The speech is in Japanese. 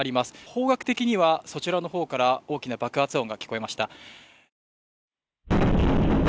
方角的には、そちらの方から大きな爆発音が聞こえました。